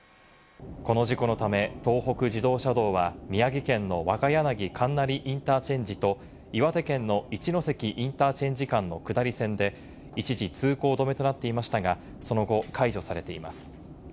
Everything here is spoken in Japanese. この事故のため東北自動車道は宮城県の若柳金成インターチェンジと、岩手県の一関インターチェンジ間の下り線で一時通行止めとなっていましたが、その後、解除されています。